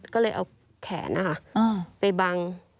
ก็เลยเอาแขนไปบัง